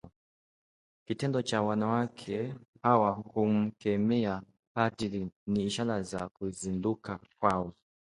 Kitendo cha wanawake hawa kumkemea Padre ni ishara ya kuzinduka kwao